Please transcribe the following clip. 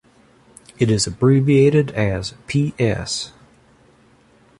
It is abbreviated as "ps".